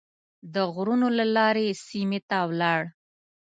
د غرونو له لارې سیمې ته ولاړ.